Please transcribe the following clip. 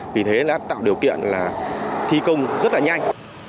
vì thế đã tạo điều kiện là thi công rất là nhanh